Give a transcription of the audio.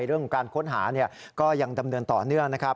เรื่องของการค้นหาก็ยังดำเนินต่อเนื่องนะครับ